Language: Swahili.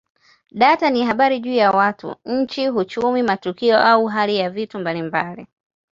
Data ni habari juu ya watu, nchi, uchumi, matukio au hali ya vitu mbalimbali.